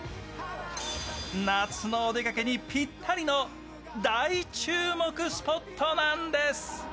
夏のお出かけにぴったりの大注目スポットなんです。